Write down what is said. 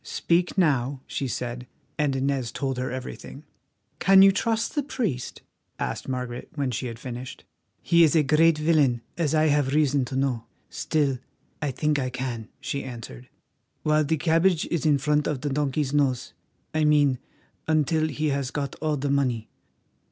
"Speak now," she said; and Inez told her everything. "Can you trust the priest?" asked Margaret, when she had finished. "He is a great villain, as I have reason to know; still, I think I can," she answered, "while the cabbage is in front of the donkey's nose—I mean until he has got all the money.